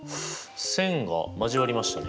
線が交わりましたね。